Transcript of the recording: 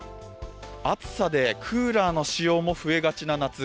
暑さでクーラーの使用も増えがちな夏。